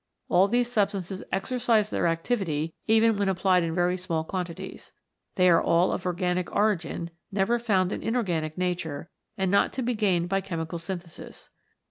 All these substances exercise their activity, even when applied in very small quan tities. They are all of organic origin, never found in inorganic nature, and not to be gained by chemical synthesis.